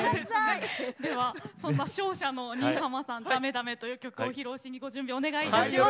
ではそんな勝者の新浜さん「ダメダメ」という曲を披露しにご準備お願いいたします。